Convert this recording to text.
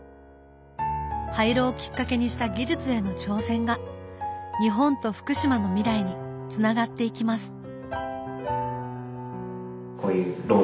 廃炉をきっかけにした技術への挑戦が日本と福島の未来につながっていきます。